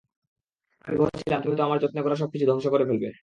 আমি ভয়ে ছিলাম তুমি হয়তো আমার যত্নে গড়া সবকিছু ধ্বংস করে ফেলবে।